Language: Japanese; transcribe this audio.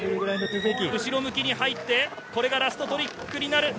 後ろ向きに入って、これがラストトリックになる。